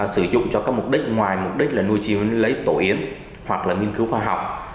sử dụng cho các mục đích ngoài mục đích là nuôi chim lấy tổ yến hoặc là nghiên cứu khoa học